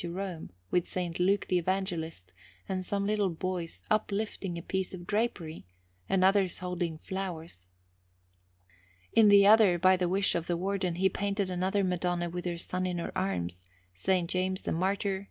Jerome, with S. Luke the Evangelist, and some little boys uplifting a piece of drapery, and others holding flowers. In the other, by the wish of the Warden, he painted another Madonna with her Son in her arms, S. James the Martyr, S.